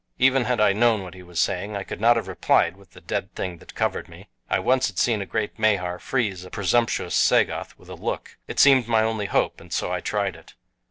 Even had I known what he was saying I could not have replied with the dead thing that covered me. I once had seen a great Mahar freeze a presumptuous Sagoth with a look. It seemed my only hope, and so I tried it.